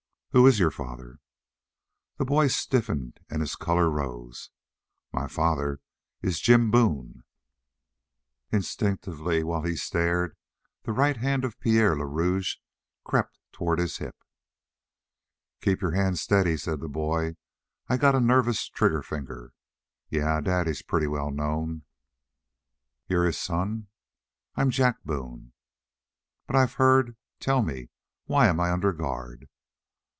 "Who is your father?" The boy stiffened and his color rose. "My father is Jim Boone." Instinctively, while he stared, the right hand of Pierre le Rouge crept toward his hip. "Keep your hand steady," said the boy. "I got a nervous trigger finger. Yeh, dad is pretty well known." "You're his son?" "I'm Jack Boone." "But I've heard tell me, why am I under guard?"